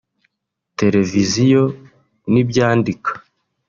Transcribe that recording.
Televiziyo n’ibyandika